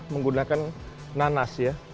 menggunakan nanas ya